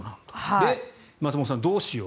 で、松本さんどうしよう。